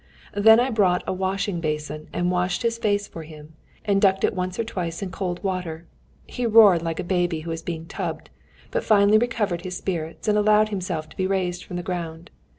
Then I brought a washing basin and washed his face for him, and ducked it once or twice in cold water. He roared like a baby who is being tubbed, but finally recovered his spirits, and allowed himself to be raised from the ground.